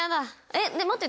えっ待って。